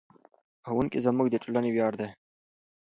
ښوونکي زموږ د ټولنې ویاړ دي.